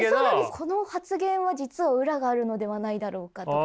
この発言は実は裏があるのではないだろうかとか。